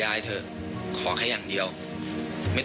อันดับ๖๓๕จัดใช้วิจิตร